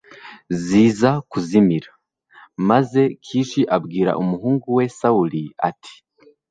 ziza kuzimira, maze kishi abwira umuhungu we sawuli, ati